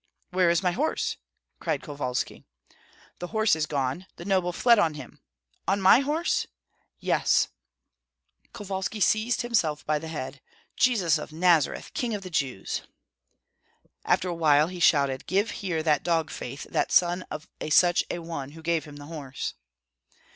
"Where is my horse?" cried Kovalski. "The horse is gone. The noble fled on him." "On my horse?" "Yes." Kovalski seized himself by the head. "Jesus of Nazareth! King of the Jews!" After a while he shouted, "Give here that dog faith, that son of a such a one who gave him the horse!"